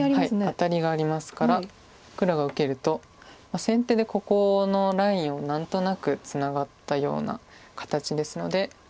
アタリがありますから黒が受けると先手でここのラインを何となくツナがったような形ですので。